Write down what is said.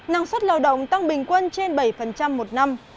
năng suất lao động tăng bình quân trên bảy một năm